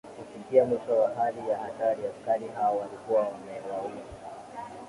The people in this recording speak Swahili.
Kufikia mwisho wa hali ya hatari askari hao walikuwa wamewaua